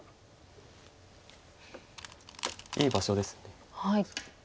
いい場所です。